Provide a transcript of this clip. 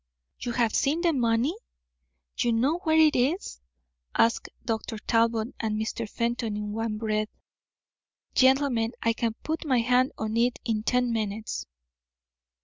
"You have seen the money? You know where it is?" asked Dr. Talbot and Mr. Fenton in one breath. "Gentlemen, I can put my hand on it in ten minutes."